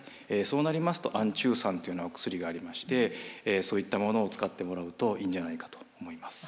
そうなりますと安中散というようなお薬がありましてそういったものを使ってもらうといいんじゃないかと思います。